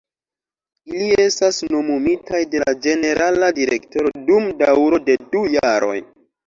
Ili estas nomumitaj de la ĝenerala direktoro dum daŭro de du jaroj.